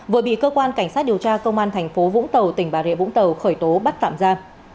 vừa bị cơ quan cảnh sát điều tra công an thành phố vũng tàu tỉnh bà rịa vũng tàu khởi tố bắt tạm ra